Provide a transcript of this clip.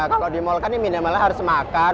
kalau di mall kan minimalnya harus makan